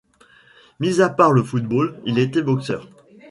Mis à part le football, il était boxeur.